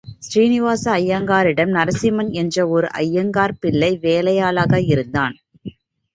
ஸ்ரீனிவாச ஐயங்காரிடம் நரசிம்மன் என்ற ஒரு ஐயங்கார் பிள்ளை வேலையாளாக இருந்தான்.